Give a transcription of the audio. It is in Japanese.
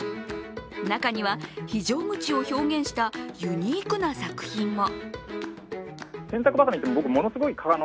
中には非常口を表現したユニークな作品も。